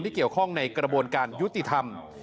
เกี่ยวข้องในกระบวนการยุติธรรม